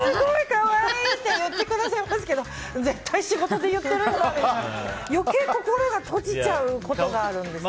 すごい可愛い！って言ってくださるんですけど絶対仕事で言ってるんだろうと余計、心が閉じちゃうことがあるんですよ。